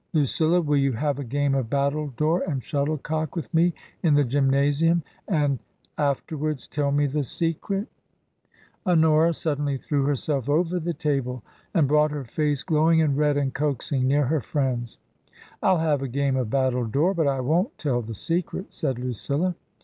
Lu cilla, will you have a game of battledore and shuttlecock with me in the gymnasium and — afterwards tell me the secret ?" Honora suddenly threw herself over the table and brought her face, glowing and red and coaxing, near her friend's. " rU have a game of battledore — ^but I won't tell the secret," said Lucilla.